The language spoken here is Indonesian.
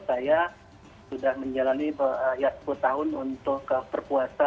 saya sudah menjalani sepuluh tahun untuk berpuasa